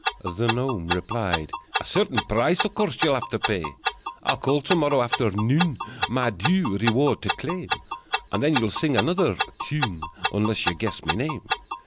The gnome replied: "A certain price Of course you'll have to pay. I'll call to morrow afternoon, My due reward to claim, And then you'll sing another tune Unless you guess my name!"